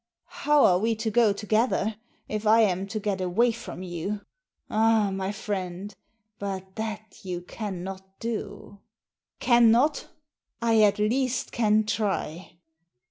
How are we to go together, if I am to get away from you ?"" Ah, my friend, but that you cannot do." " Cannot ! I at least can try."